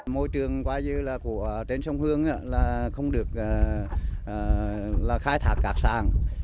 môi trường quá dư là của trên sông hương là không được khai thác cắt sản